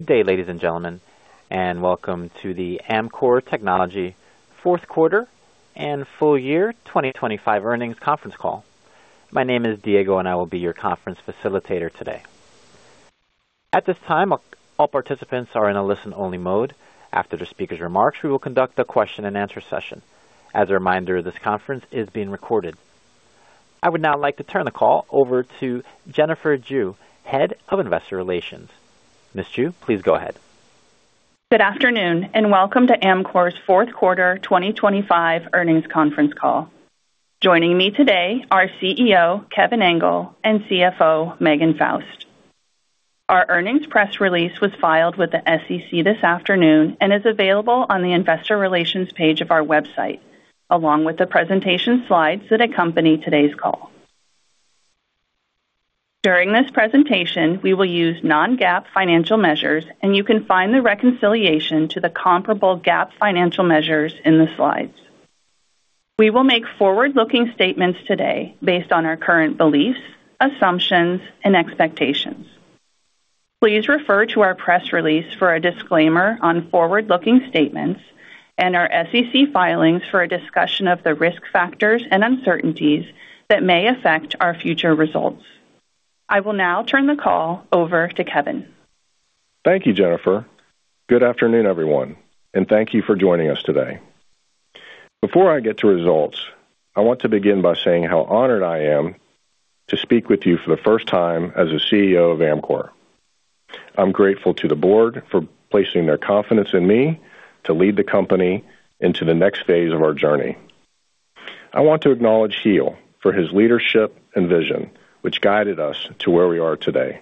Good day, ladies and gentlemen, and welcome to the Amkor Technology Fourth Quarter and Full Year 2025 Earnings Conference Call. My name is Diego, and I will be your conference facilitator today. At this time, all participants are in a listen-only mode. After the speaker's remarks, we will conduct a question and answer session. As a reminder, this conference is being recorded. I would now like to turn the call over to Jennifer Jue, Head of Investor Relations. Ms. Jue, please go ahead. Good afternoon, and welcome to Amkor's Fourth Quarter 2025 earnings conference call. Joining me today are CEO Kevin Engel and CFO Megan Faust. Our earnings press release was filed with the SEC this afternoon and is available on the investor relations page of our website, along with the presentation slides that accompany today's call. During this presentation, we will use non-GAAP financial measures, and you can find the reconciliation to the comparable GAAP financial measures in the slides. We will make forward-looking statements today based on our current beliefs, assumptions, and expectations. Please refer to our press release for a disclaimer on forward-looking statements and our SEC filings for a discussion of the risk factors and uncertainties that may affect our future results. I will now turn the call over to Kevin. Thank you, Jennifer. Good afternoon, everyone, and thank you for joining us today. Before I get to results, I want to begin by saying how honored I am to speak with you for the first time as the CEO of Amkor. I'm grateful to the board for placing their confidence in me to lead the company into the next phase of our journey. I want to acknowledge Giel for his leadership and vision, which guided us to where we are today.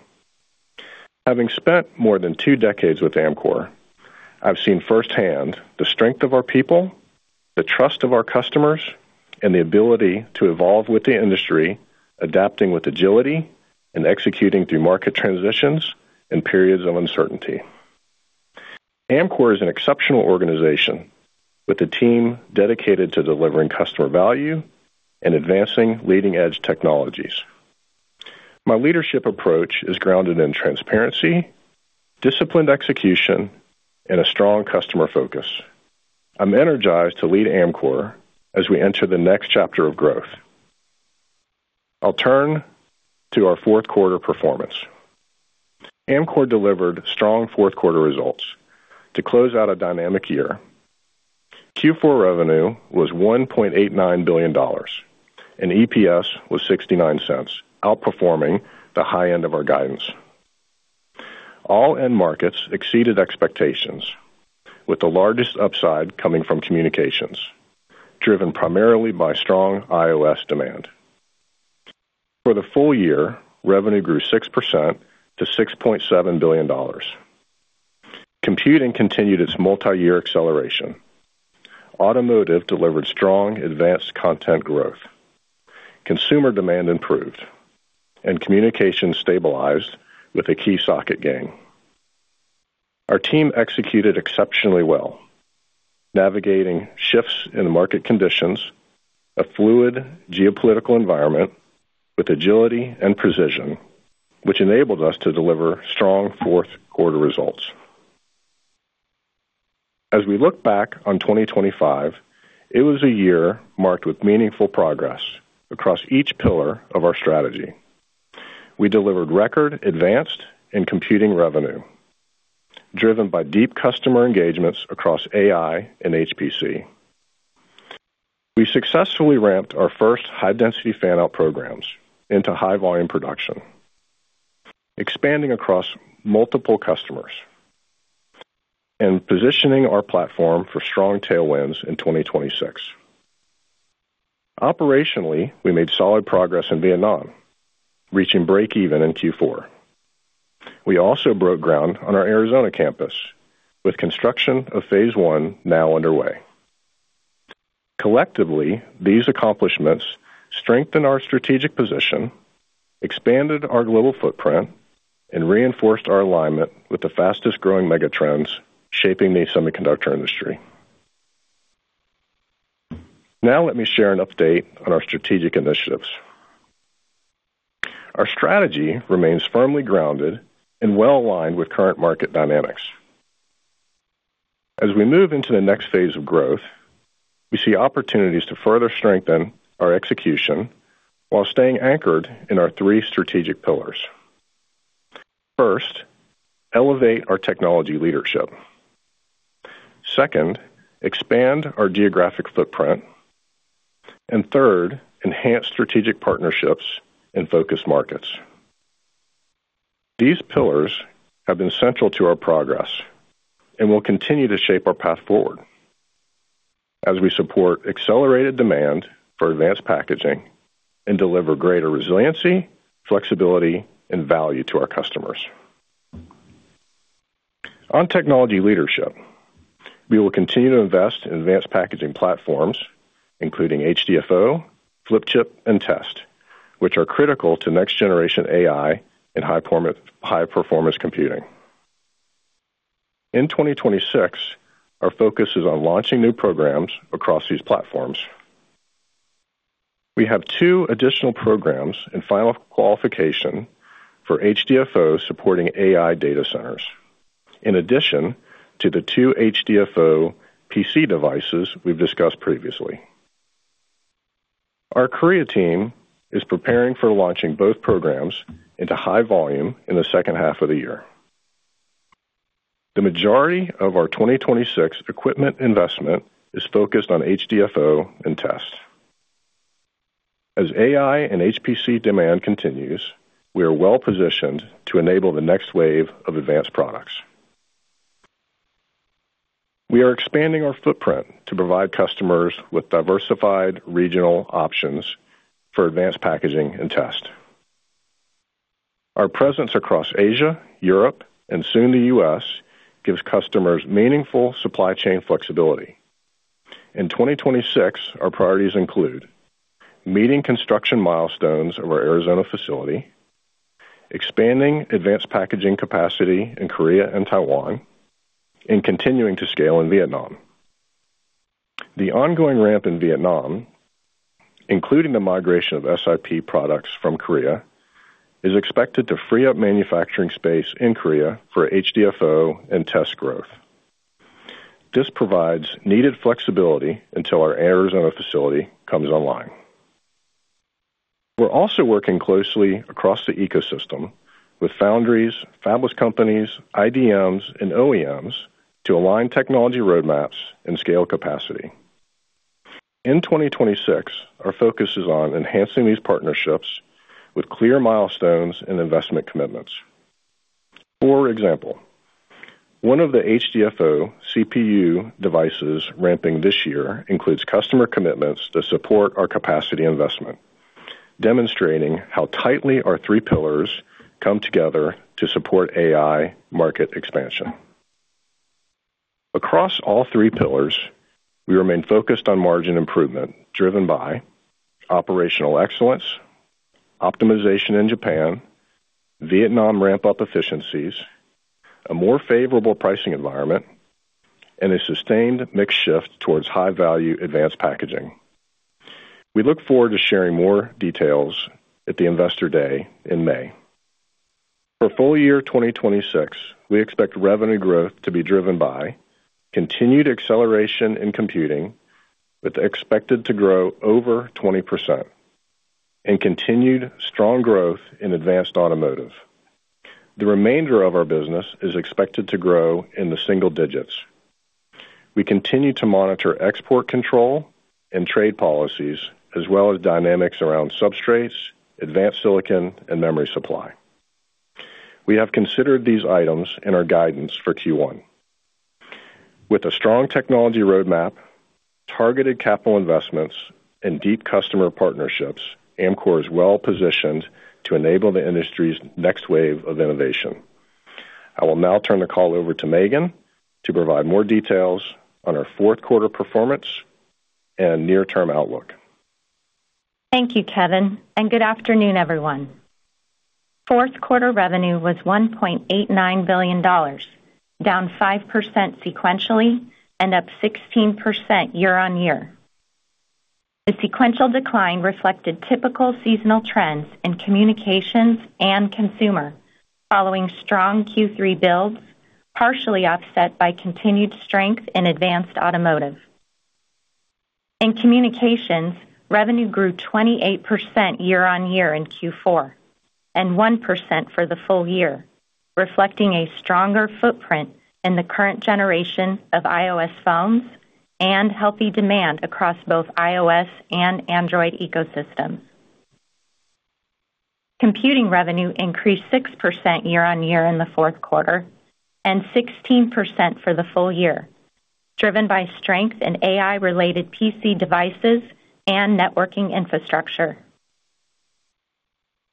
Having spent more than two decades with Amkor, I've seen firsthand the strength of our people, the trust of our customers, and the ability to evolve with the industry, adapting with agility and executing through market transitions and periods of uncertainty. Amkor is an exceptional organization with a team dedicated to delivering customer value and advancing leading-edge technologies. My leadership approach is grounded in transparency, disciplined execution, and a strong customer focus. I'm energized to lead Amkor as we enter the next chapter of growth. I'll turn to our fourth quarter performance. Amkor delivered strong fourth quarter results to close out a dynamic year. Q4 revenue was $1.89 billion, and EPS was $0.69, outperforming the high end of our guidance. All end markets exceeded expectations, with the largest upside coming from communications, driven primarily by strong iOS demand. For the full year, revenue grew 6% to $6.7 billion. Computing continued its multi-year acceleration. Automotive delivered strong advanced content growth. Consumer demand improved, and communication stabilized with a key socket gain. Our team executed exceptionally well, navigating shifts in the market conditions, a fluid geopolitical environment with agility and precision, which enabled us to deliver strong fourth quarter results. As we look back on 2025, it was a year marked with meaningful progress across each pillar of our strategy. We delivered record advanced and computing revenue, driven by deep customer engagements across AI and HPC. We successfully ramped our first high-density fan-out programs into high volume production, expanding across multiple customers and positioning our platform for strong tailwinds in 2026. Operationally, we made solid progress in Vietnam, reaching break-even in Q4. We also broke ground on our Arizona campus, with construction of phase one now underway. Collectively, these accomplishments strengthened our strategic position, expanded our global footprint, and reinforced our alignment with the fastest-growing megatrends shaping the semiconductor industry. Now let me share an update on our strategic initiatives. Our strategy remains firmly grounded and well aligned with current market dynamics. As we move into the next phase of growth, we see opportunities to further strengthen our execution while staying anchored in our three strategic pillars. First, elevate our technology leadership. Second, expand our geographic footprint. And third, enhance strategic partnerships in focus markets. These pillars have been central to our progress and will continue to shape our path forward as we support accelerated demand for advanced packaging and deliver greater resiliency, flexibility, and value to our customers. On technology leadership, we will continue to invest in advanced packaging platforms, including HDFO, flip chip, and test, which are critical to next generation AI and high-performance computing. In 2026, our focus is on launching new programs across these platforms. We have two additional programs in final qualification for HDFO supporting AI data centers, in addition to the two HDFO PC devices we've discussed previously. Our Korea team is preparing for launching both programs into high volume in the second half of the year. The majority of our 2026 equipment investment is focused on HDFO and test. As AI and HPC demand continues, we are well-positioned to enable the next wave of advanced products. We are expanding our footprint to provide customers with diversified regional options for advanced packaging and test. Our presence across Asia, Europe, and soon the U.S., gives customers meaningful supply chain flexibility. In 2026, our priorities include: meeting construction milestones of our Arizona facility, expanding advanced packaging capacity in Korea and Taiwan, and continuing to scale in Vietnam. The ongoing ramp in Vietnam, including the migration of SiP products from Korea, is expected to free up manufacturing space in Korea for HDFO and test growth. This provides needed flexibility until our Arizona facility comes online. We're also working closely across the ecosystem with foundries, fabless companies, IDMs, and OEMs to align technology roadmaps and scale capacity. In 2026, our focus is on enhancing these partnerships with clear milestones and investment commitments. For example, one of the HDFO CPU devices ramping this year includes customer commitments to support our capacity investment, demonstrating how tightly our three pillars come together to support AI market expansion. Across all three pillars, we remain focused on margin improvement, driven by operational excellence, optimization in Japan, Vietnam ramp-up efficiencies, a more favorable pricing environment, and a sustained mix shift towards high-value advanced packaging. We look forward to sharing more details at the Investor Day in May. For full year 2026, we expect revenue growth to be driven by continued acceleration in computing, with expected to grow over 20%, and continued strong growth in advanced automotive. The remainder of our business is expected to grow in the single digits. We continue to monitor export control and trade policies, as well as dynamics around substrates, advanced silicon, and memory supply. We have considered these items in our guidance for Q1. With a strong technology roadmap, targeted capital investments, and deep customer partnerships, Amkor is well positioned to enable the industry's next wave of innovation. I will now turn the call over to Megan to provide more details on our fourth quarter performance and near-term outlook. Thank you, Kevin, and good afternoon, everyone. Fourth quarter revenue was $1.89 billion, down 5% sequentially and up 16% year-on-year. The sequential decline reflected typical seasonal trends in communications and consumer, following strong Q3 builds, partially offset by continued strength in advanced automotive. In communications, revenue grew 28% year-on-year in Q4, and 1% for the full year, reflecting a stronger footprint in the current generation of iOS phones and healthy demand across both iOS and Android ecosystems. Computing revenue increased 6% year-on-year in the fourth quarter, and 16% for the full year, driven by strength in AI-related PC devices and networking infrastructure.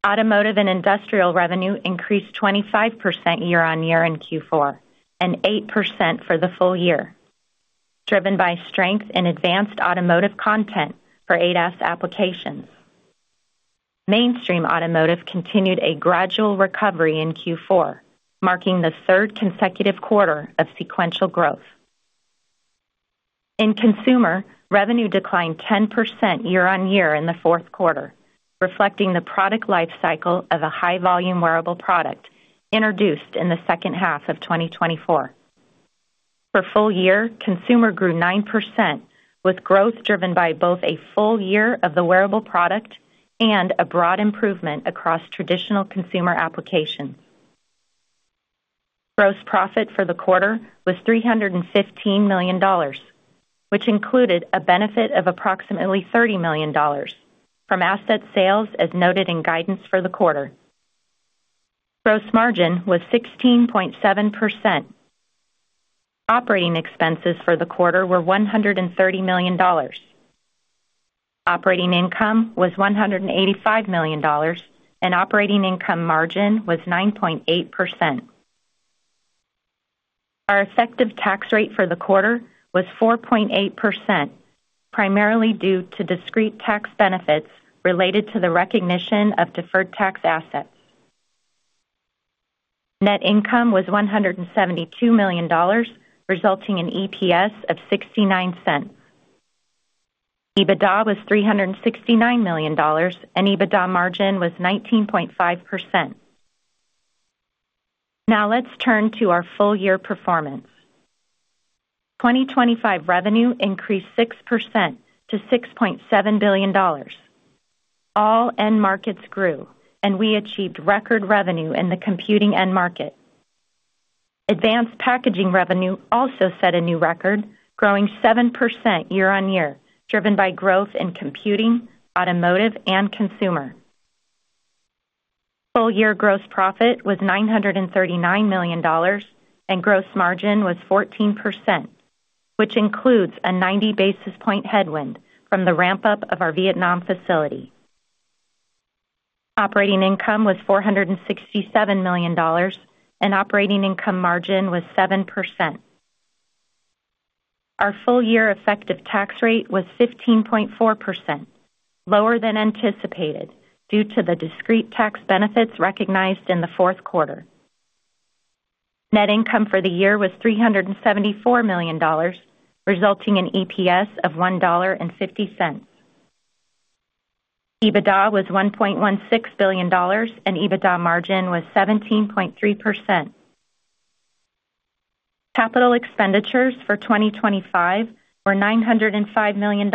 Automotive and industrial revenue increased 25% year-on-year in Q4, and 8% for the full year, driven by strength in advanced automotive content for ADAS applications. Mainstream automotive continued a gradual recovery in Q4, marking the third consecutive quarter of sequential growth. In consumer, revenue declined 10% year-over-year in the fourth quarter, reflecting the product life cycle of a high-volume wearable product introduced in the second half of 2024. For full year, consumer grew 9%, with growth driven by both a full year of the wearable product and a broad improvement across traditional consumer applications. Gross profit for the quarter was $315 million, which included a benefit of approximately $30 million from asset sales, as noted in guidance for the quarter. Gross margin was 16.7%. Operating expenses for the quarter were $130 million. Operating income was $185 million, and operating income margin was 9.8%. Our effective tax rate for the quarter was 4.8%, primarily due to discrete tax benefits related to the recognition of deferred tax assets. Net income was $172 million, resulting in EPS of $0.69. EBITDA was $369 million, and EBITDA margin was 19.5%. Now let's turn to our full year performance. 2025 revenue increased 6% to $6.7 billion. All end markets grew, and we achieved record revenue in the computing end market. Advanced packaging revenue also set a new record, growing 7% year-on-year, driven by growth in computing, automotive, and consumer. Full year gross profit was $939 million, and gross margin was 14%, which includes a 90 basis point headwind from the ramp-up of our Vietnam facility. Operating income was $467 million, and operating income margin was 7%. Our full year effective tax rate was 15.4%, lower than anticipated, due to the discrete tax benefits recognized in the fourth quarter. Net income for the year was $374 million, resulting in EPS of $1.50. EBITDA was $1.16 billion, and EBITDA margin was 17.3%. Capital expenditures for 2025 were $905 million,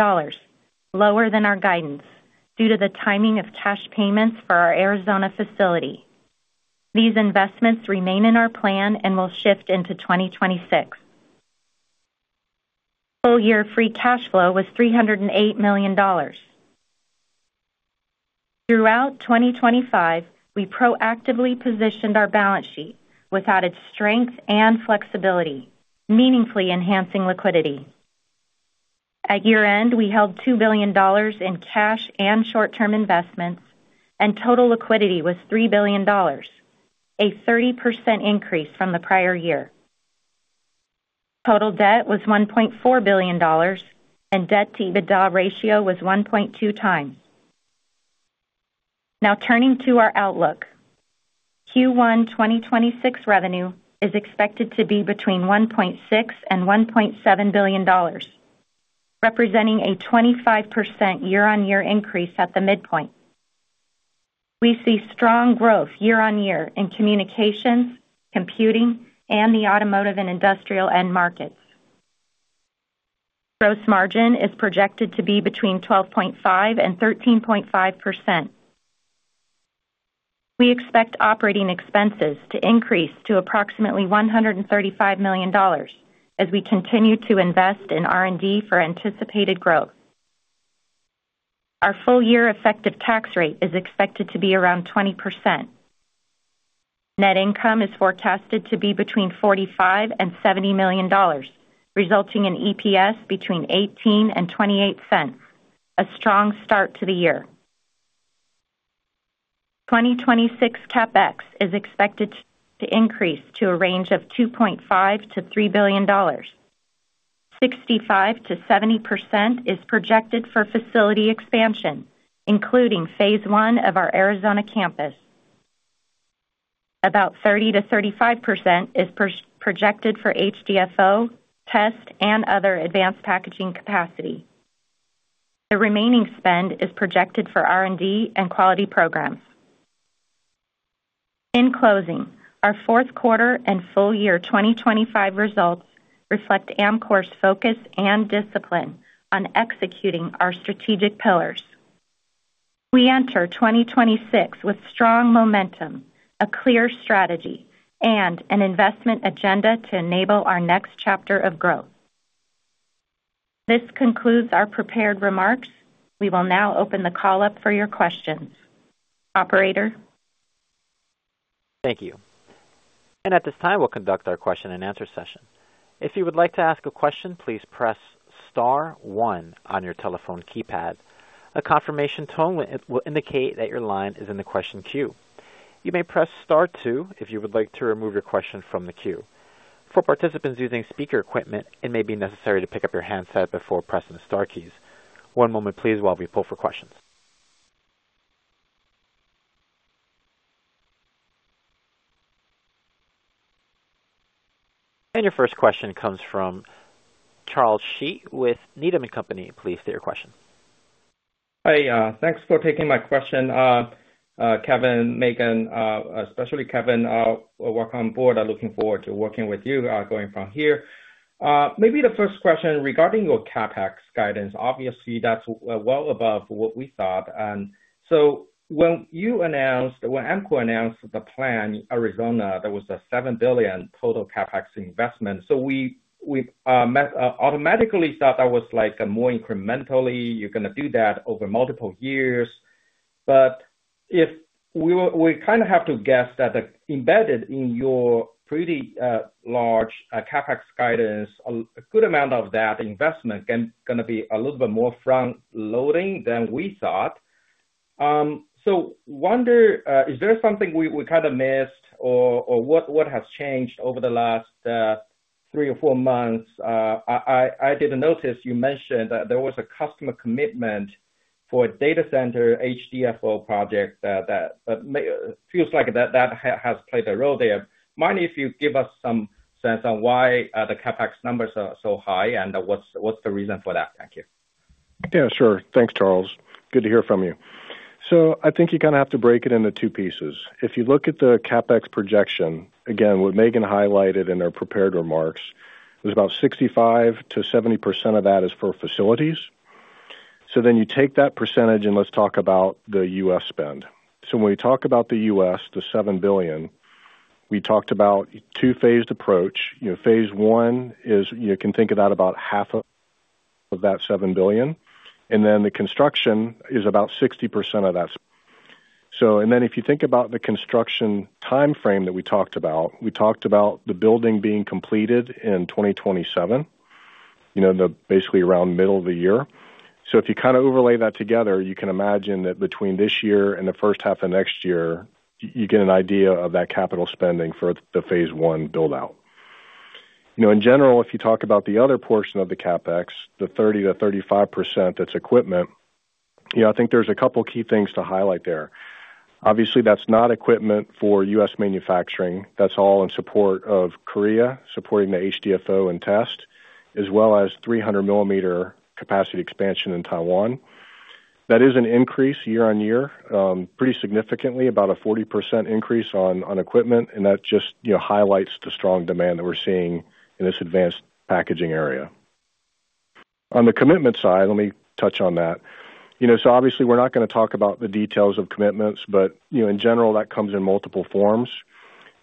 lower than our guidance, due to the timing of cash payments for our Arizona facility. These investments remain in our plan and will shift into 2026. Full year free cash flow was $308 million. Throughout 2025, we proactively positioned our balance sheet, which added strength and flexibility, meaningfully enhancing liquidity. At year-end, we held $2 billion in cash and short-term investments, and total liquidity was $3 billion, a 30% increase from the prior year. Total debt was $1.4 billion, and debt-to-EBITDA ratio was 1.2x. Now, turning to our outlook. Q1 2026 revenue is expected to be between $1.6 billion and $1.7 billion, representing a 25% year-on-year increase at the midpoint. We see strong growth year-on-year in communications, computing, and the automotive and industrial end markets. Gross margin is projected to be between 12.5% and 13.5%. We expect operating expenses to increase to approximately $135 million as we continue to invest in R&D for anticipated growth. Our full year effective tax rate is expected to be around 20%. Net income is forecasted to be between $45 million and $70 million, resulting in EPS between $0.18 and $0.28. A strong start to the year. 2026 CapEx is expected to increase to a range of $2.5 billion-$3 billion. 65%-70% is projected for facility expansion, including phase one of our Arizona campus. About 30%-35% is projected for HDFO, test, and other advanced packaging capacity. The remaining spend is projected for R&D and quality programs. In closing, our fourth quarter and full year 2025 results reflect Amkor's focus and discipline on executing our strategic pillars. We enter 2026 with strong momentum, a clear strategy, and an investment agenda to enable our next chapter of growth. This concludes our prepared remarks. We will now open the call up for your questions. Operator? Thank you. At this time, we'll conduct our question-and-answer session. If you would like to ask a question, please press star one on your telephone keypad. A confirmation tone will indicate that your line is in the question queue. You may press star two if you would like to remove your question from the queue. For participants using speaker equipment, it may be necessary to pick up your handset before pressing the star keys. One moment please, while we poll for questions. Your first question comes from Charles Shi with Needham & Company. Please state your question. Hi, thanks for taking my question, Kevin, Megan, especially Kevin, welcome on board. I'm looking forward to working with you, going from here. Maybe the first question regarding your CapEx guidance, obviously that's well above what we thought. And so when Amkor announced the plan, Arizona, that was a $7 billion total CapEx investment. So we automatically thought that was like more incrementally, you're going to do that over multiple years. But if we kind of have to guess that the embedded in your pretty large CapEx guidance, a good amount of that investment can gonna be a little bit more front loading than we thought. So wonder, is there something we kind of missed, or what has changed over the last three or four months? I didn't notice you mentioned that there was a customer commitment for a data center HDFO project that feels like that has played a role there. Mind if you give us some sense on why the CapEx numbers are so high, and what's the reason for that? Thank you. Yeah, sure. Thanks, Charles. Good to hear from you. So I think you kind of have to break it into two pieces. If you look at the CapEx projection, again, what Megan highlighted in her prepared remarks, is about 65%-70% of that is for facilities. So then you take that percentage, and let's talk about the U.S. spend. So when we talk about the U.S., the $7 billion, we talked about two-phased approach. You know, phase one is, you can think of that about half of that $7 billion, and then the construction is about 60% of that. So, and then if you think about the construction timeframe that we talked about, we talked about the building being completed in 2027, you know, the basically around middle of the year. So if you kind of overlay that together, you can imagine that between this year and the first half of next year, you get an idea of that capital spending for the phase one build-out. You know, in general, if you talk about the other portion of the CapEx, the 30%-35%, that's equipment, you know, I think there's a couple key things to highlight there. Obviously, that's not equipment for U.S. manufacturing. That's all in support of Korea, supporting the HDFO and test, as well as 300 mm capacity expansion in Taiwan. That is an increase year-on-year, pretty significantly, about a 40% increase on equipment, and that just, you know, highlights the strong demand that we're seeing in this advanced packaging area. On the commitment side, let me touch on that. You know, so obviously, we're not going to talk about the details of commitments, but, you know, in general, that comes in multiple forms.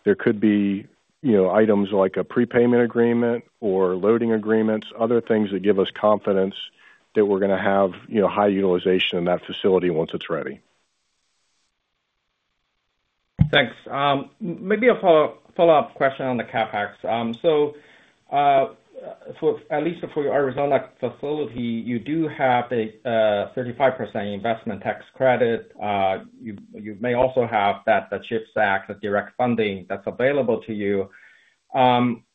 There could be, you know, items like a prepayment agreement or loading agreements, other things that give us confidence that we're going to have, you know, high utilization in that facility once it's ready. Thanks. Maybe a follow-up question on the CapEx. So, for at least your Arizona facility, you do have a 35% investment tax credit. You may also have that, the CHIPS Act, the direct funding that's available to you.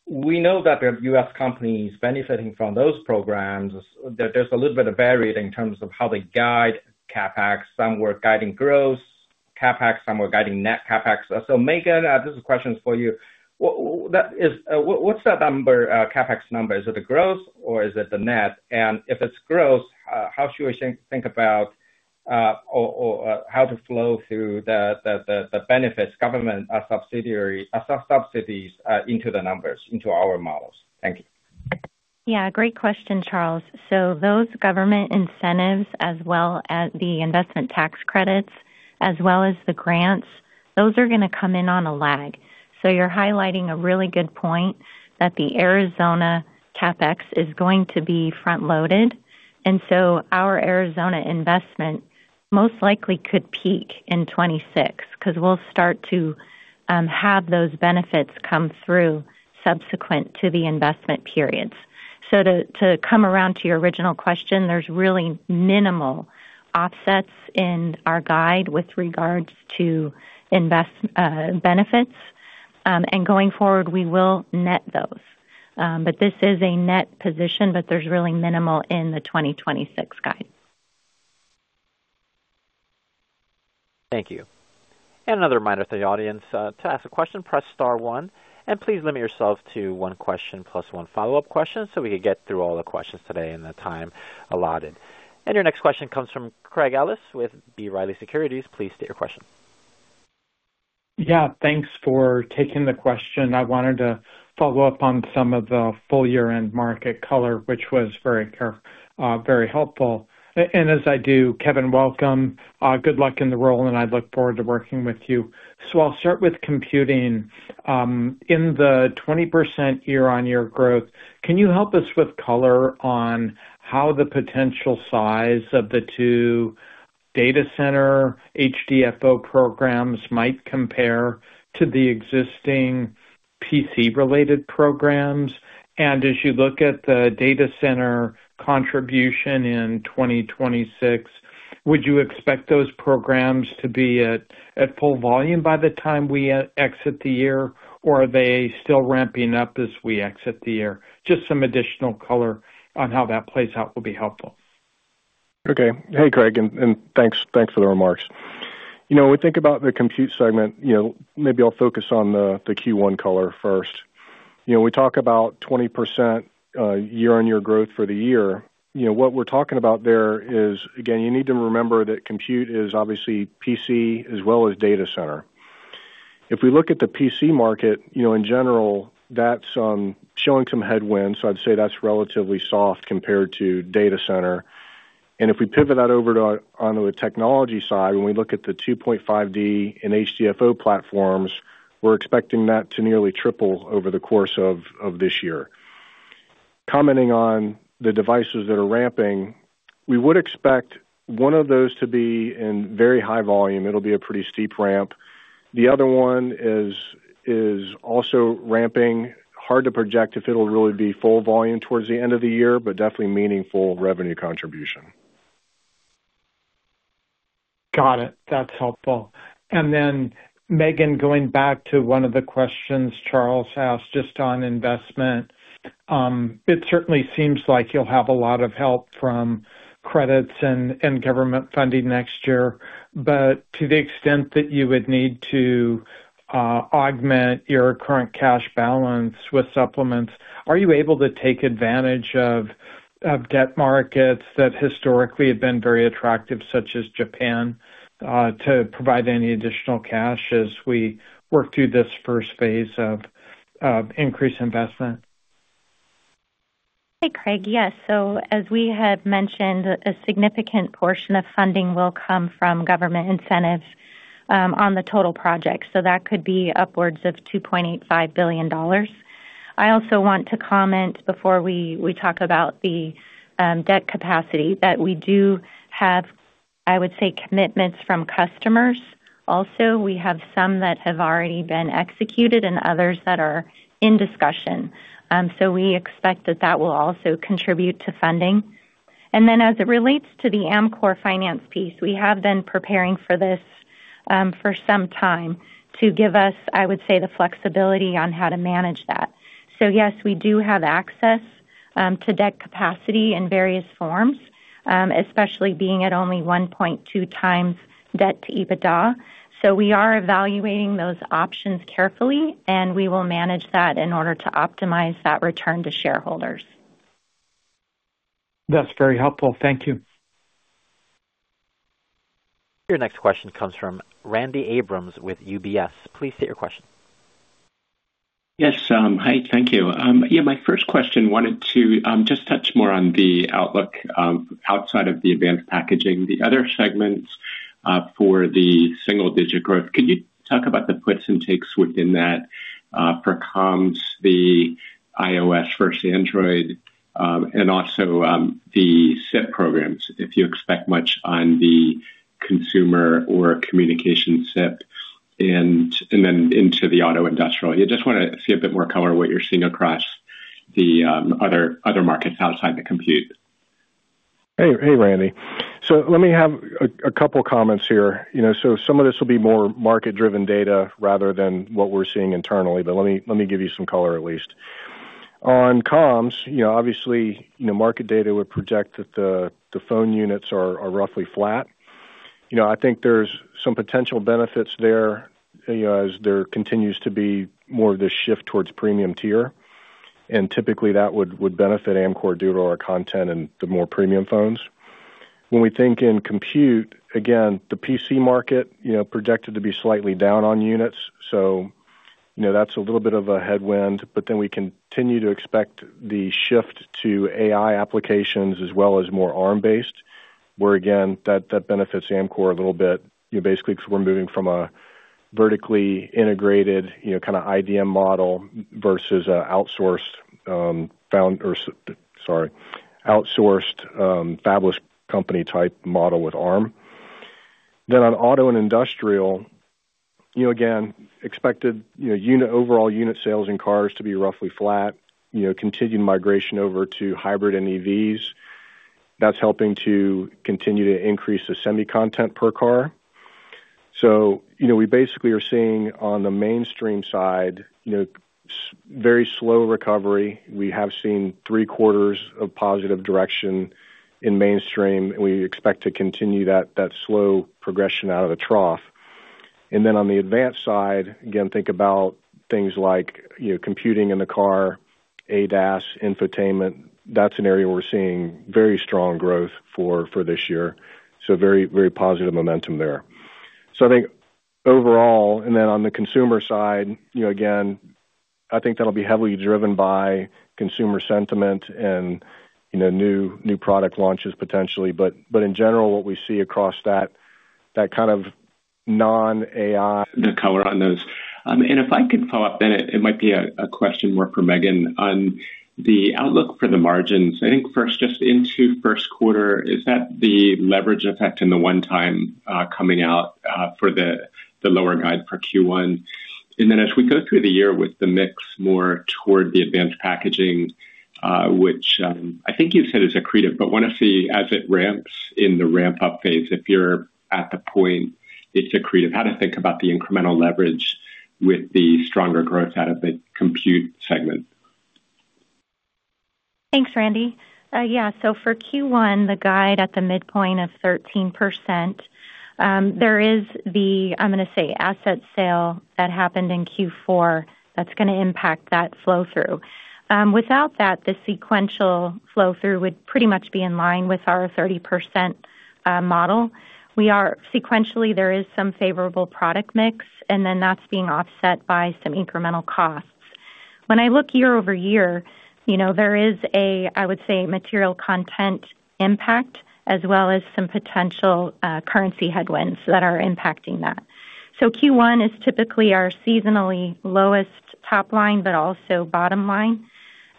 We know that there are U.S. companies benefiting from those programs, that there's a little bit of variance in terms of how they guide CapEx. Some were guiding gross CapEx, some were guiding net CapEx. So, Megan, this is a question for you. What’s that number, CapEx number? Is it the gross or is it the net? And if it's gross, how should we think about or how to flow through the benefits, government subsidy, subsidies into the numbers, into our models? Thank you. Yeah, great question, Charles. So those government incentives, as well as the investment tax credits, as well as the grants, those are going to come in on a lag. So you're highlighting a really good point that the Arizona CapEx is going to be front-loaded, and so our Arizona investment most likely could peak in 2026, because we'll start to have those benefits come through subsequent to the investment periods. So to come around to your original question, there's really minimal offsets in our guide with regards to investment benefits. And going forward, we will net those. But this is a net position, but there's really minimal in the 2026 guide. Thank you. Another reminder to the audience, to ask a question, press star one, and please limit yourself to one question plus one follow-up question, so we can get through all the questions today in the time allotted. Your next question comes from Craig Ellis with B. Riley Securities. Please state your question. Yeah, thanks for taking the question. I wanted to follow up on some of the full year-end market color, which was very, very helpful. And as I do, Kevin, welcome. Good luck in the role, and I look forward to working with you. So I'll start with computing. In the 20% year-on-year growth, can you help us with color on how the potential size of the two data center HDFO programs might compare to the existing PC-related programs? And as you look at the data center contribution in 2026, would you expect those programs to be at full volume by the time we exit the year, or are they still ramping up as we exit the year? Just some additional color on how that plays out will be helpful. Okay. Hey, Craig, and, and thanks, thanks for the remarks. You know, when we think about the compute segment, you know, maybe I'll focus on the Q1 color first. You know, when we talk about 20%, year-on-year growth for the year, you know, what we're talking about there is, again, you need to remember that compute is obviously PC as well as data center. If we look at the PC market, you know, in general, that's showing some headwinds, so I'd say that's relatively soft compared to data center. And if we pivot that over to onto the technology side, when we look at the 2.5D and HDFO platforms, we're expecting that to nearly triple over the course of this year. Commenting on the devices that are ramping, we would expect one of those to be in very high volume. It'll be a pretty steep ramp. The other one is also ramping. Hard to project if it'll really be full volume towards the end of the year, but definitely meaningful revenue contribution. Got it. That's helpful. And then, Megan, going back to one of the questions Charles asked just on investment, it certainly seems like you'll have a lot of help from credits and government funding next year. But to the extent that you would need to augment your current cash balance with supplements, are you able to take advantage of debt markets that historically have been very attractive, such as Japan, to provide any additional cash as we work through this first phase of increased investment? Hey, Craig. Yes. So as we have mentioned, a significant portion of funding will come from government incentives on the total project. So that could be upwards of $2.85 billion. I also want to comment before we talk about the debt capacity, that we do have, I would say, commitments from customers. Also, we have some that have already been executed and others that are in discussion. So we expect that that will also contribute to funding. And then as it relates to the Amkor finance piece, we have been preparing for this for some time to give us, I would say, the flexibility on how to manage that. So yes, we do have access to debt capacity in various forms, especially being at only 1.2x debt to EBITDA. So we are evaluating those options carefully, and we will manage that in order to optimize that return to shareholders. That's very helpful. Thank you. Your next question comes from Randy Abrams with UBS. Please state your question. Yes, hi. Thank you. Yeah, my first question wanted to just touch more on the outlook outside of the advanced packaging, the other segments, for the single-digit growth. Could you talk about the puts and takes within that for comms, the iOS versus Android, and also the SiP programs, if you expect much on the consumer or communication SiP, and, and then into the auto industrial. I just want to see a bit more color on what you're seeing across the other, other markets outside the compute. Hey, hey, Randy. So let me have a couple comments here. You know, so some of this will be more market-driven data rather than what we're seeing internally, but let me give you some color, at least. On comms, you know, obviously, you know, market data would project that the phone units are roughly flat. You know, I think there's some potential benefits there, you know, as there continues to be more of this shift towards premium tier, and typically that would benefit Amkor due to our content and the more premium phones. When we think in compute, again, the PC market, you know, projected to be slightly down on units, so you know, that's a little bit of a headwind, but then we continue to expect the shift to AI applications as well as more Arm-based, where again, that, that benefits Amkor a little bit. Basically, because we're moving from a vertically integrated, you know, kind of IDM model versus a outsourced, or sorry, outsourced, fabless company type model with Arm. Then on auto and industrial, you know, again, expected, you know, overall unit sales in cars to be roughly flat, you know, continued migration over to hybrid and EVs. That's helping to continue to increase the semi content per car. So, you know, we basically are seeing on the mainstream side, you know, very slow recovery. We have seen three quarters of positive direction in mainstream, and we expect to continue that, that slow progression out of the trough. And then on the advanced side, again, think about things like, you know, computing in the car, ADAS, infotainment. That's an area we're seeing very strong growth for, for this year, so very, very positive momentum there. So I think overall, and then on the consumer side, you know, again, I think that'll be heavily driven by consumer sentiment and, you know, new, new product launches potentially. But, but in general, what we see across that, that kind of non-AI. The color on those. If I could follow up, then it might be a question more for Megan on the outlook for the margins. I think first, just into first quarter, is that the leverage effect and the one-time coming out for the lower guide for Q1? And then as we go through the year with the mix more toward the advanced packaging, which I think you've said is accretive, but want to see as it ramps in the ramp-up phase, if you're at the point it's accretive, how to think about the incremental leverage with the stronger growth out of the compute segment. Thanks, Randy. Yeah, so for Q1, the guide at the midpoint of 13%, there is the, I'm gonna say, asset sale that happened in Q4 that's gonna impact that flow-through. Without that, the sequential flow-through would pretty much be in line with our 30%, model. Sequentially, there is some favorable product mix, and then that's being offset by some incremental costs. When I look year-over-year, you know, there is a, I would say, material content impact, as well as some potential, currency headwinds that are impacting that. So Q1 is typically our seasonally lowest top line, but also bottom line.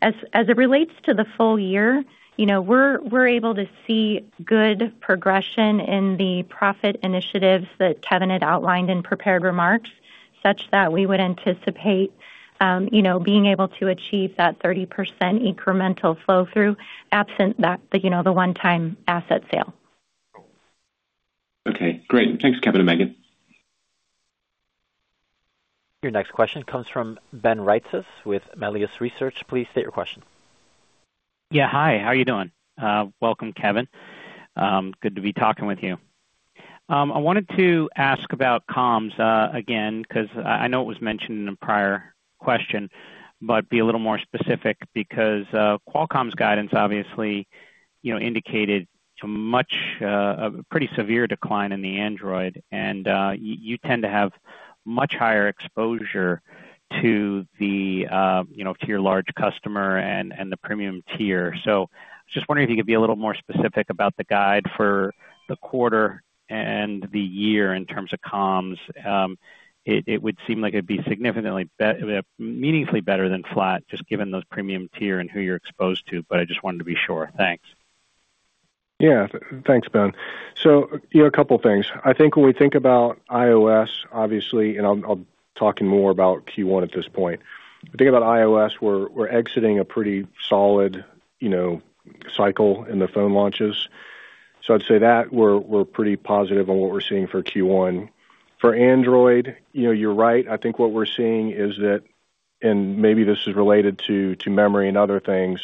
As it relates to the full year, you know, we're able to see good progression in the profit initiatives that Kevin had outlined in prepared remarks, such that we would anticipate, you know, being able to achieve that 30% incremental flow-through, absent that, the, you know, the one-time asset sale. Okay, great. Thanks, Kevin and Megan. Your next question comes from Ben Reitzes with Melius Research. Please state your question. Yeah. Hi, how are you doing? Welcome, Kevin. Good to be talking with you. I wanted to ask about comms again, because I know it was mentioned in a prior question, but be a little more specific, because Qualcomm's guidance obviously, you know, indicated too much a pretty severe decline in the Android, and you tend to have much higher exposure to the, you know, to your large customer and the premium tier. So I was just wondering if you could be a little more specific about the guide for the quarter and the year in terms of comms. It would seem like it'd be significantly meaningfully better than flat, just given those premium tier and who you're exposed to, but I just wanted to be sure. Thanks. Yeah. Thanks, Ben. So, you know, a couple of things. I think when we think about iOS, obviously, and I'm talking more about Q1 at this point, I think about iOS, we're exiting a pretty solid, you know, cycle in the phone launches. So I'd say that we're pretty positive on what we're seeing for Q1. For Android, you know, you're right. I think what we're seeing is that, and maybe this is related to memory and other things,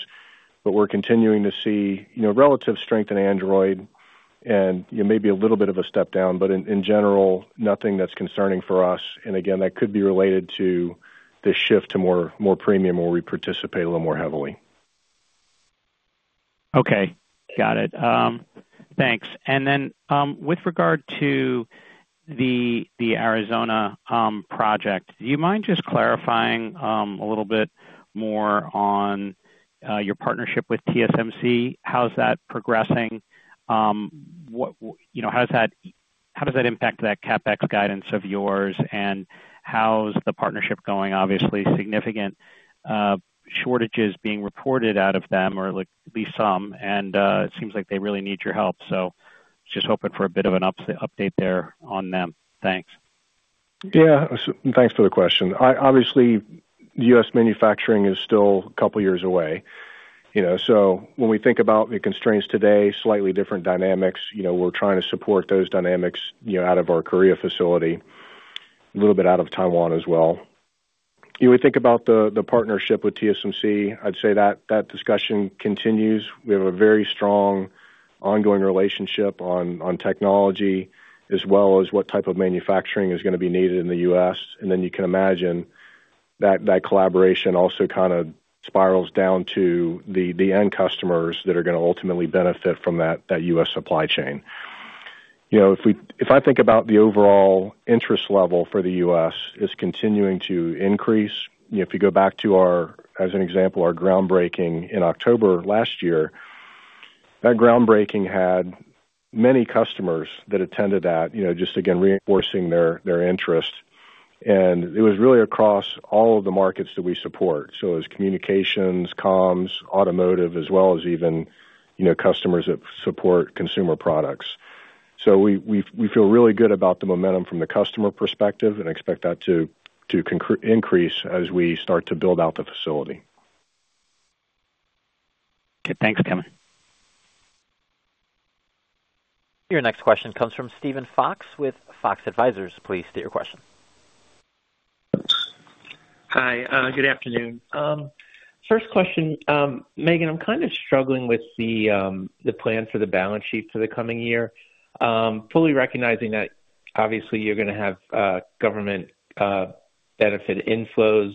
but we're continuing to see, you know, relative strength in Android and, you know, maybe a little bit of a step down, but in general, nothing that's concerning for us. And again, that could be related to the shift to more premium, where we participate a little more heavily. Okay, got it. Thanks. And then, with regard to the Arizona project, do you mind just clarifying a little bit more on your partnership with TSMC? How's that progressing? What, you know, how does that impact that CapEx guidance of yours, and how's the partnership going? Obviously, significant shortages being reported out of them, or at least some, and it seems like they really need your help. So just hoping for a bit of an update there on them. Thanks. Yeah, thanks for the question. I obviously, U.S. manufacturing is still a couple of years away, you know, so when we think about the constraints today, slightly different dynamics. You know, we're trying to support those dynamics, you know, out of our Korea facility, a little bit out of Taiwan as well. You would think about the partnership with TSMC, I'd say that discussion continues. We have a very strong ongoing relationship on technology as well as what type of manufacturing is going to be needed in the U.S. And then you can imagine that collaboration also kind of spirals down to the end customers that are going to ultimately benefit from that U.S. supply chain. You know, if I think about the overall interest level for the U.S., is continuing to increase. You know, if you go back to our, as an example, our groundbreaking in October last year, that groundbreaking had many customers that attended that, you know, just again, reinforcing their interest. And it was really across all of the markets that we support. So it was communications, comms, automotive, as well as even, you know, customers that support consumer products. So we feel really good about the momentum from the customer perspective and expect that to increase as we start to build out the facility. Okay, thanks, Kevin. Your next question comes from Steven Fox with Fox Advisors. Please state your question. Hi, good afternoon. First question, Megan, I'm kind of struggling with the plan for the balance sheet for the coming year. Fully recognizing that obviously you're going to have government benefit inflows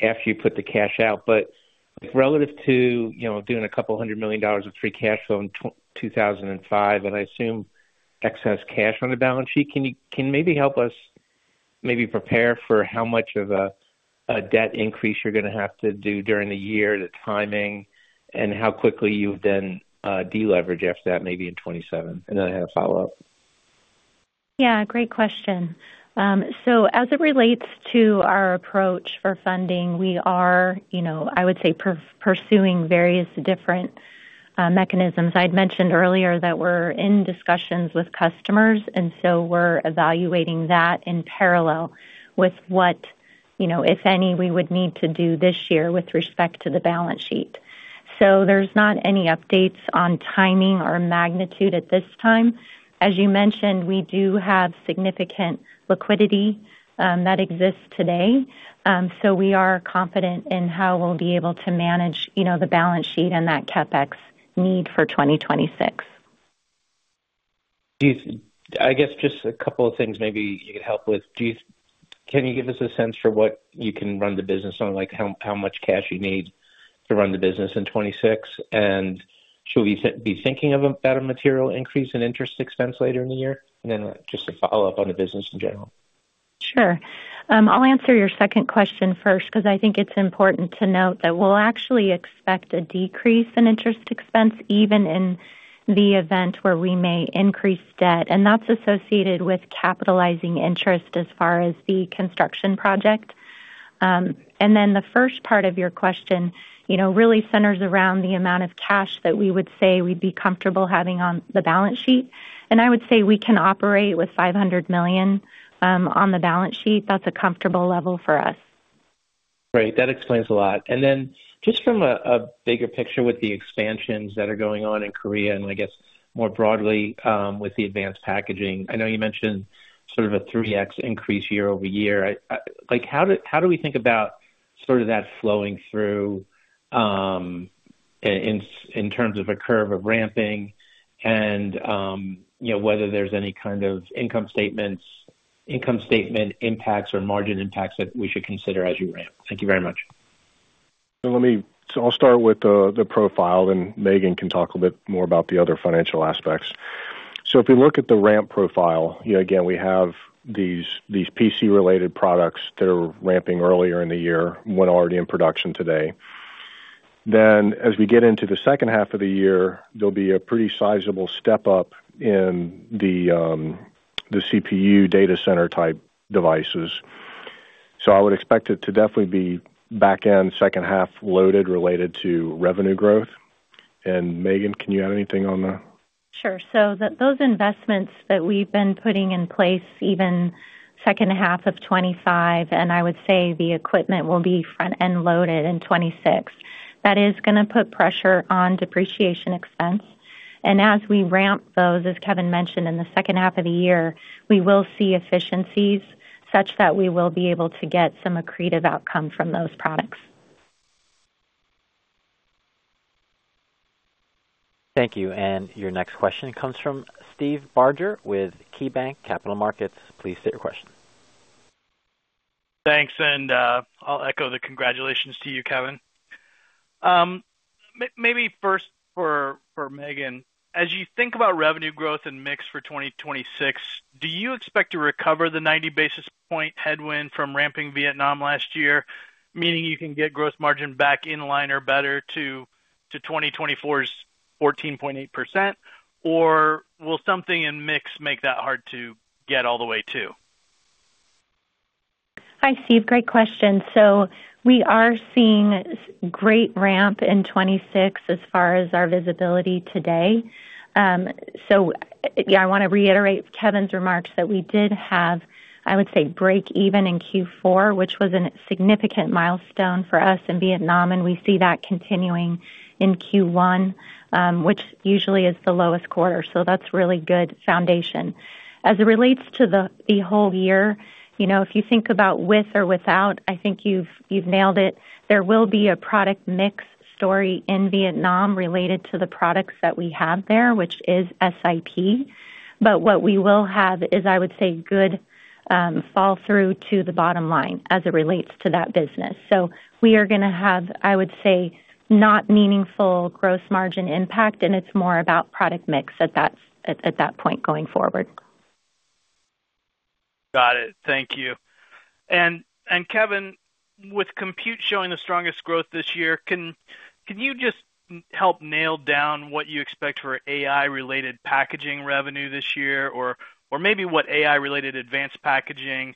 after you put the cash out, but relative to, you know, doing $200 million of free cash flow in 2025, and I assume excess cash on the balance sheet, can maybe help us maybe prepare for how much of a debt increase you're going to have to do during the year, the timing, and how quickly you would then deleverage after that, maybe in 2027? And then I have a follow-up. Yeah, great question. So as it relates to our approach for funding, we are, you know, I would say, pursuing various different mechanisms. I'd mentioned earlier that we're in discussions with customers, and so we're evaluating that in parallel with what, you know, if any, we would need to do this year with respect to the balance sheet. So there's not any updates on timing or magnitude at this time. As you mentioned, we do have significant liquidity that exists today, so we are confident in how we'll be able to manage, you know, the balance sheet and that CapEx need for 2026. I guess just a couple of things maybe you could help with. Can you give us a sense for what you can run the business on? Like, how much cash you need to run the business in 2026? And should we be thinking of a better material increase in interest expense later in the year? And then just to follow up on the business in general. Sure. I'll answer your second question first, because I think it's important to note that we'll actually expect a decrease in interest expense, even in the event where we may increase debt, and that's associated with capitalizing interest as far as the construction project. And then the first part of your question, you know, really centers around the amount of cash that we would say we'd be comfortable having on the balance sheet. And I would say we can operate with $500 million on the balance sheet. That's a comfortable level for us. Great. That explains a lot. And then just from a bigger picture, with the expansions that are going on in Korea, and I guess more broadly, with the advanced packaging, I know you mentioned sort of a 3x increase year-over-year. I like, how do we think about sort of that flowing through, in terms of a curve of ramping and, you know, whether there's any kind of income statements, income statement impacts or margin impacts that we should consider as you ramp? Thank you very much. So I'll start with the profile, then Megan can talk a bit more about the other financial aspects. So if you look at the ramp profile, you know, again, we have these PC-related products that are ramping earlier in the year, one already in production today. Then, as we get into the second half of the year, there'll be a pretty sizable step up in the CPU data center-type devices. So I would expect it to definitely be back in second half loaded related to revenue growth. And, Megan, can you add anything on that? Sure. So those investments that we've been putting in place, even second half of 2025, and I would say the equipment will be front-end loaded in 2026. That is going to put pressure on depreciation expense, and as we ramp those, as Kevin mentioned, in the second half of the year, we will see efficiencies such that we will be able to get some accretive outcome from those products. Thank you. And your next question comes from Steve Barger with KeyBanc Capital Markets. Please state your question. Thanks, and I'll echo the congratulations to you, Kevin. Maybe first for Megan. As you think about revenue growth and mix for 2026, do you expect to recover the 90 basis point headwind from ramping Vietnam last year, meaning you can get gross margin back in line or better to 2024's 14.8%, or will something in mix make that hard to get all the way to? Hi, Steve. Great question. So we are seeing great ramp in 2026 as far as our visibility today. So yeah, I want to reiterate Kevin's remarks that we did have, I would say, break even in Q4, which was a significant milestone for us in Vietnam, and we see that continuing in Q1, which usually is the lowest quarter, so that's really good foundation. As it relates to the whole year, you know, if you think about with or without, I think you've nailed it. There will be a product mix story in Vietnam related to the products that we have there, which is SiP. But what we will have is, I would say, good fall through to the bottom line as it relates to that business. So we are going to have, I would say, not meaningful gross margin impact, and it's more about product mix at that point going forward. Got it. Thank you. And Kevin, with compute showing the strongest growth this year, can you just help nail down what you expect for AI-related packaging revenue this year? Or maybe what AI-related advanced packaging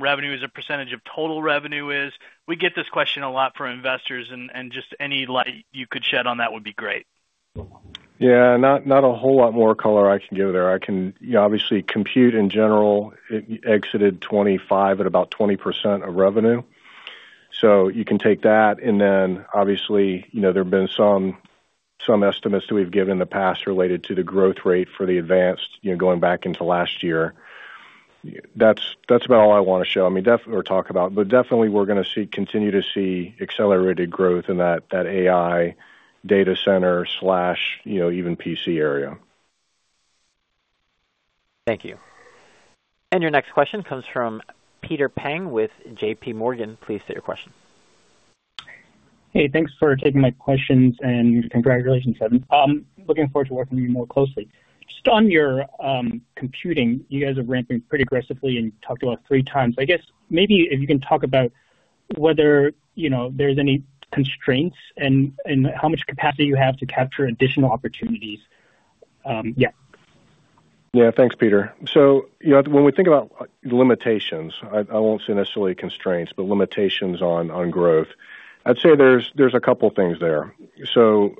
revenue as a percentage of total revenue is. We get this question a lot from investors, and just any light you could shed on that would be great. Yeah, not a whole lot more color I can give there. I can, you know, obviously, computing in general, it exited 2025 at about 20% of revenue, so you can take that. And then, obviously, you know, there have been some estimates that we've given in the past related to the growth rate for the advanced, you know, going back-end last year. That's about all I want to show. I mean, but definitely we're going to see, continue to see accelerated growth in that, that AI data center slash, you know, even PC area. Thank you. And your next question comes from Peter Peng with JPMorgan. Please state your question. Hey, thanks for taking my questions, and congratulations, Kevin. Looking forward to working with you more closely. Just on your computing, you guys are ramping pretty aggressively and talked about three times. I guess, maybe if you can talk about whether, you know, there's any constraints and how much capacity you have to capture additional opportunities. Yeah. Yeah. Thanks, Peter. So, you know, when we think about limitations, I, I won't say necessarily constraints, but limitations on, on growth, I'd say there's, there's a couple things there. So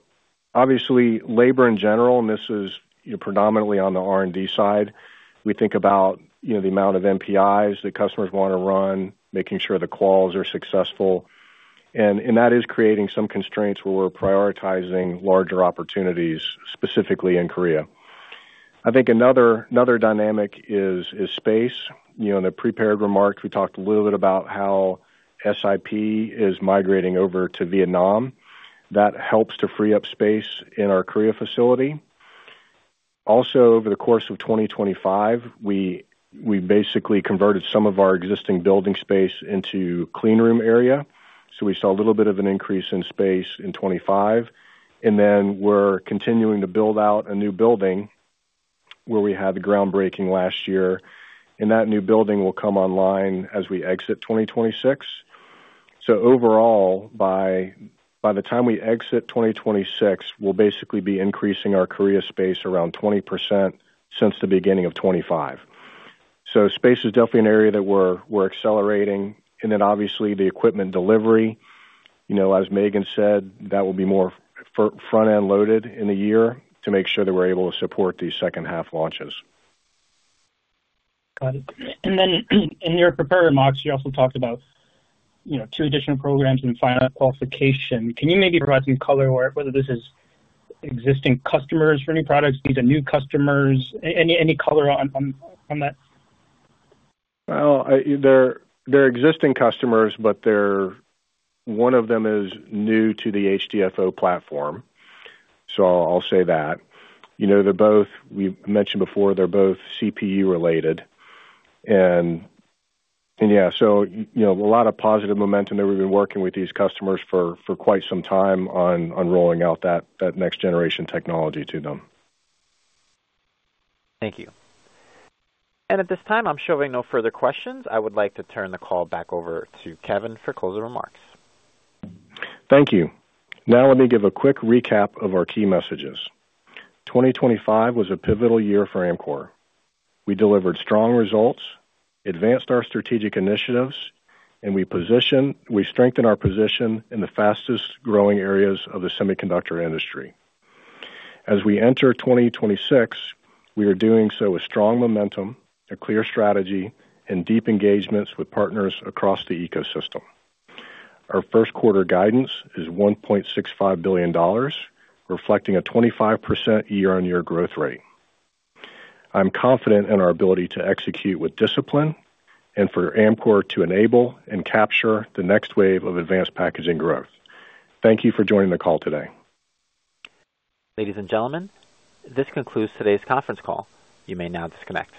obviously, labor in general, and this is predominantly on the R&D side. We think about, you know, the amount of NPIs that customers want to run, making sure the quals are successful, and, and that is creating some constraints where we're prioritizing larger opportunities, specifically in Korea. I think another, another dynamic is, is space. You know, in the prepared remarks, we talked a little bit about how SiP is migrating over to Vietnam. That helps to free up space in our Korea facility. Also, over the course of 2025, we, we basically converted some of our existing building space into cleanroom area, so we saw a little bit of an increase in space in 2025. We're continuing to build out a new building where we had the groundbreaking last year, and that new building will come online as we exit 2026. So overall, by the time we exit 2026, we'll basically be increasing our Korea space around 20% since the beginning of 2025. So space is definitely an area that we're accelerating, and then obviously, the equipment delivery. You know, as Megan said, that will be more front-end loaded in the year to make sure that we're able to support these second-half launches. Got it. And then in your prepared remarks, you also talked about, you know, two additional programs in final qualification. Can you maybe provide some color whether this is existing customers for new products, these are new customers? Any color on that? Well, they're existing customers, but they're one of them is new to the HDFO platform, so I'll say that. You know, they're both, we've mentioned before, they're both CPU related. And yeah, so, you know, a lot of positive momentum that we've been working with these customers for quite some time on rolling out that next generation technology to them. Thank you. At this time, I'm showing no further questions. I would like to turn the call back over to Kevin for closing remarks. Thank you. Now let me give a quick recap of our key messages. 2025 was a pivotal year for Amkor. We delivered strong results, advanced our strategic initiatives, and we positioned—we strengthened our position in the fastest-growing areas of the semiconductor industry. As we enter 2026, we are doing so with strong momentum, a clear strategy, and deep engagements with partners across the ecosystem. Our first quarter guidance is $1.65 billion, reflecting a 25% year-on-year growth rate. I'm confident in our ability to execute with discipline and for Amkor to enable and capture the next wave of advanced packaging growth. Thank you for joining the call today. Ladies and gentlemen, this concludes today's conference call. You may now disconnect.